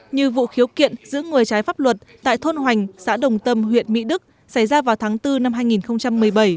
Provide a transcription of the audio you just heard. như vụ khiếu kiện giữ người trái pháp luật tại thôn hoành xã đồng tâm huyện mỹ đức xảy ra vào tháng bốn năm hai nghìn một mươi bảy